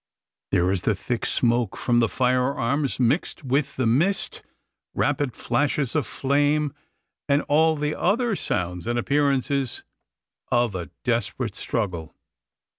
There is the thick smoke from the firearms mixed with the mist, rapid flashes of flame, and all the other sounds and appearances of a desperate struggle.